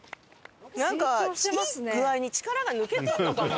なんかいい具合に力が抜けてるのかも。